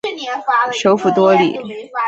首府多里。